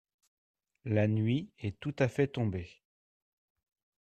La nuit est tout-à-fait tombée.